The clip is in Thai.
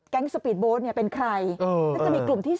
แก๊งสปีดโบสต์เนี่ยเป็นใคร